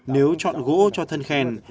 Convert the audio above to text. nếu chọn gỗ cho thân khen